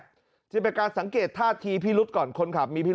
ที่จะเป็นการสังเกตถ่าทีพิรุษก่อน